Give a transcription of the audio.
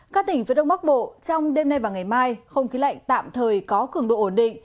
các tỉnh phía đông bắc bộ trong đêm nay và ngày mai không khí lạnh tạm thời có cường độ ổn định